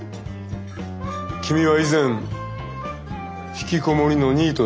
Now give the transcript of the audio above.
君は以前引きこもりのニートだったそうだね？